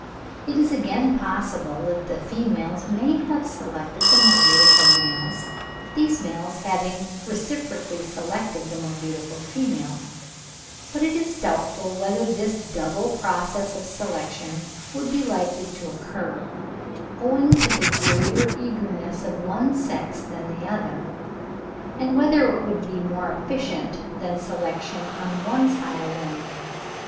It is again possible that the females may have selected the more beautiful males, these males having reciprocally selected the more beautiful females; but it is doubtful whether this double process of selection would be likely to occur, owing to the greater eagerness of one sex than the other, and whether it would be more efficient than selection on one side alone.